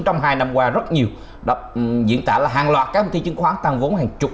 trong hai năm qua rất nhiều diễn tả là hàng loạt các công ty chứng khoán tăng vốn hàng chục